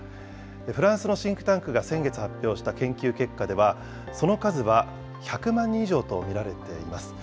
フランスのシンクタンクが先月発表した研究結果では、その数は１００万人以上と見られています。